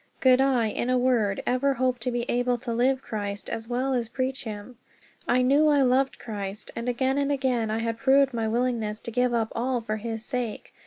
Could I, in a word, ever hope to be able to live Christ as well as preach him? I knew I loved Christ; and again and again I had proved my willingness to give up all for his sake.